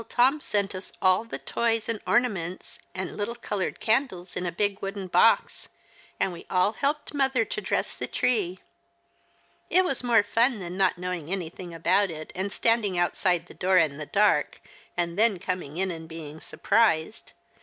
Tom sent us all tlie toys and ornaments and little coloured candles in a big wooden box ; and we all helped mother to dress the tree. It was more fun than not knowing anything about it, and standing outside the door in the dark, and then coming in and being surprised.